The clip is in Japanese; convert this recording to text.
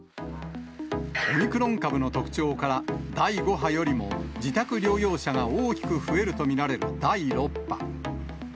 オミクロン株の特徴から、第５波よりも自宅療養者が大きく増えると見られる第６波。